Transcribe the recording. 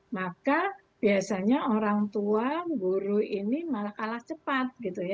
maka biasanya orang tua guru ini malah kalah cepat